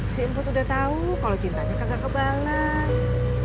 si emput udah tahu kalau cintanya kagak kebalas